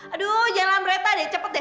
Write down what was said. aduh jangan lamreta deh cepet deh